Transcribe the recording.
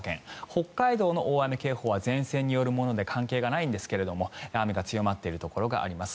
北海道の大雨警報は前線によるもので関係がないんですが雨が強まっているところがあります。